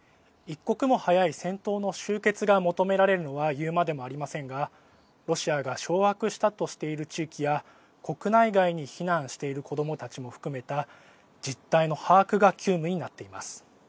一刻も早い戦闘の終結が求められるのは言うまでもありませんがロシアが掌握したとしている地域や国内外に避難している子どもたちも含めた実態の把握が急務になっています。